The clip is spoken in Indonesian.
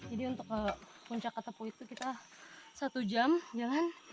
jadi untuk ke puncak ketepu itu kita satu jam jalan